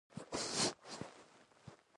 يو بل ته مالوم يو.